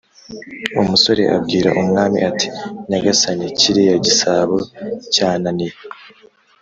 umusore abwira umwami ati: “nyagasani kiriya gisabo cyananiye